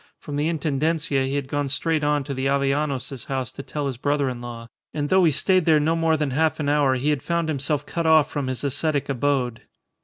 From the Intendencia he had gone straight on to the Avellanos's house to tell his brother in law, and though he stayed there no more than half an hour he had found himself cut off from his ascetic abode.